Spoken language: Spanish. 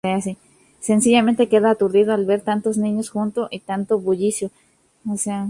Sencillamente queda aturdido al ver tantos niños juntos y tanto bullicio.